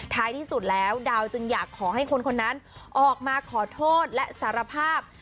ที่สุดแล้วดาวจึงอยากขอให้คนคนนั้นออกมาขอโทษและสารภาพ